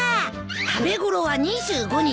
食べ頃は２５日。